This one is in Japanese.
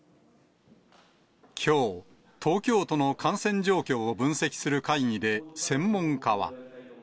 きょう、東京都の感染状況を分析する会議で専門家は。